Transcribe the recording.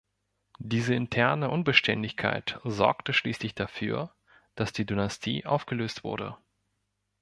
Diese interne Unbeständigkeit sorgte schließlich dafür, dass die Dynastie aufgelöst wurde.